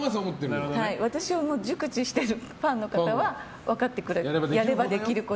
私を熟知してるファンの方は分かってくれると。